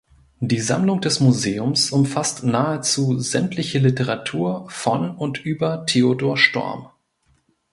Die Sammlung des Museums umfasst nahezu sämtliche Literatur von und über Theodor Storm.